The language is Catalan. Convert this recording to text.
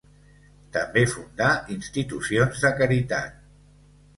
També fundà institucions de caritat.